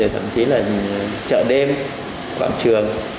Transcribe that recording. thậm chí là chợ đêm quảng trường